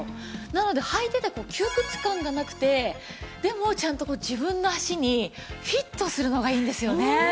なので履いてて窮屈感がなくてでもちゃんと自分の足にフィットするのがいいんですよね。